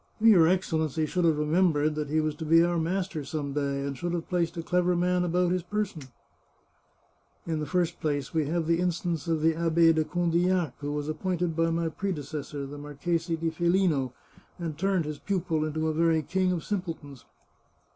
" Your Excellency should have remembered that he was to be our master some day, and should have placed a clever man about his person." " In the first place, we have the instance of the Abbe de Condillac, who was appointed by my predecessor, the Mar chese di Felino, and turned his pupil into a very king of simpletons.